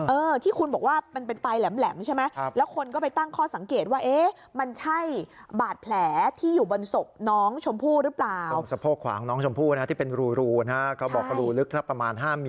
เออที่คุณบอกว่ามันเป็นปลายแหลมใช่ไหม